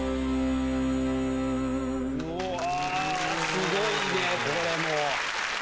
すごいね、これも。